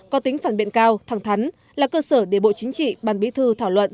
có tính phản biện cao thẳng thắn là cơ sở để bộ chính trị ban bí thư thảo luận